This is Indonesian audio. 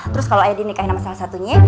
terus kalo ayah dinikahi sama salah satunya